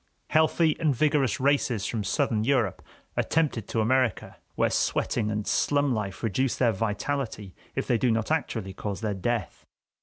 Healthy and vigorous races from Southern Europe are tempted to America, where sweating and slum life reduce their vitality if they do not actually cause their death.